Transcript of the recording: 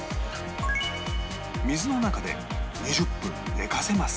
水の中で２０分寝かせます